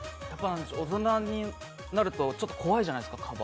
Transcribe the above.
大人になるとちょっとカバ、怖いじゃないですか。